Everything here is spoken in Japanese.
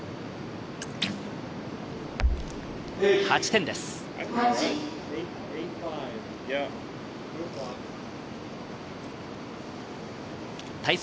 ８点です。